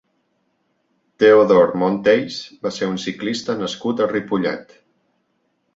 Teodor Monteys va ser un ciclista nascut a Ripollet.